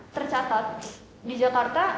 tercatat di jakarta